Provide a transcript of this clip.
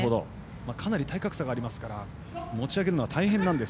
かなり体格差があるので持ち上げるのは大変です。